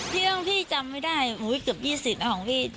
ที่เรื่องพี่จำไม่ได้อุ๊ยเกือบ๒๐ของพี่